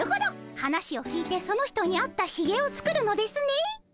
話を聞いてその人に合ったひげを作るのですね。